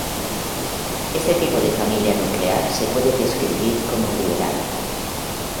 Este tipo de familia nuclear se puede describir como liberal".